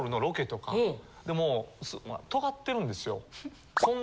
でも尖ってるんですよ。